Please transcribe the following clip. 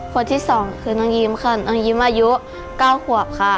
คนที่สองคือน้องยิ้มค่ะน้องยิ้มอายุ๙ขวบค่ะ